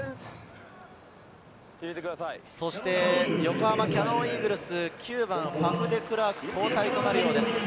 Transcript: そして横浜キヤノンイーグルス、９番のファフ・デクラークは交代となるようです。